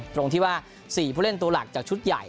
ตรงที่ว่า๔ผู้เล่นตัวหลักจากชุดใหญ่